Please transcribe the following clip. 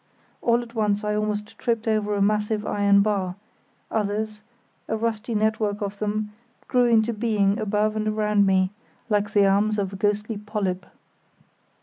All at once I almost tripped over a massive iron bar; others, a rusty network of them, grew into being above and around me, like the arms of a ghostly polyp.